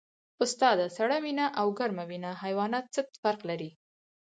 استاده سړه وینه او ګرمه وینه حیوانات څه فرق لري